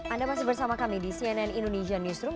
anda masih bersama kami di cnn indonesia newsroom